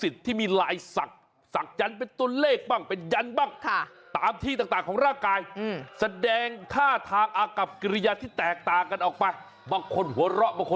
ตัวเกรงอย่างงี้แหละ